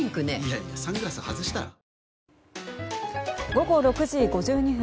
午後６時５２分。